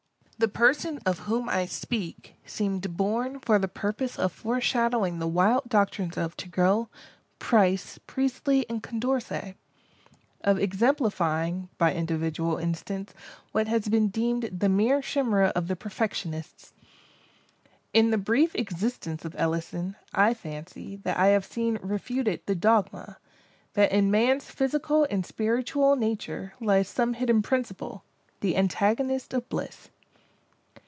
The person of whom I speak, seemed born for the purpose of foreshadowing the wild doctrines of Turgot, Price, Priestley, and Condorcet—of exemplifying, by individual instance, what has been deemed the mere chimera of the perfectionists. In the brief existence of Ellison, I fancy, that I have seen refuted the dogma—that in man's physical and spiritual nature, lies some hidden principle, the antagonist of Bliss.